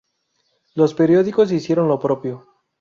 Los periódicos hicieron lo propio.